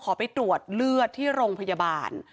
ไปตรวจเลือดที่โรงพยาบาล